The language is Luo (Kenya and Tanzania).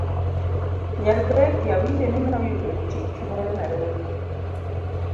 Nyar Becky awinjo ni noyudo tich moro Narobi